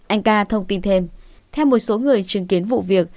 anh ca thông tin thêm theo một số người chứng kiến vụ việc